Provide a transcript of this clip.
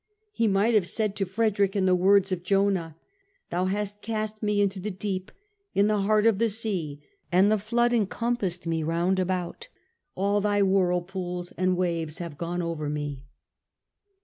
He might have said to Frederick in the words of Jonah :* Thou hast cast me into the deep, in the heart of the sea, and the flood encompassed me round about ; all thy whirlpools and waves have gone over me.'